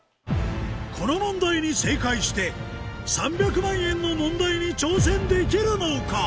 この問題に正解して３００万円の問題に挑戦できるのか？